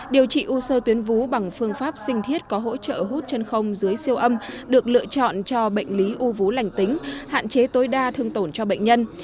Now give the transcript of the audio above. điều trị u sơ tuyến vú bằng phương pháp sinh thiết có hỗ trợ hút chân không dưới siêu âm được lựa chọn cho bệnh lý u vú lành tính hạn chế tối đa thương tổn cho bệnh nhân